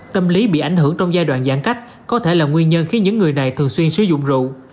tâm lý bị ảnh hưởng trong giai đoạn giãn cách có thể là nguyên nhân khiến những người này thường xuyên sử dụng rượu